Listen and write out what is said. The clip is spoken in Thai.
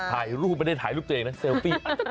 ถ่ายรูปไม่ได้ถ่ายรูปตัวเองนะเซลฟี่